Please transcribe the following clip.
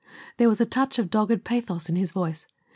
There was a touch of dogged pathos in his voice.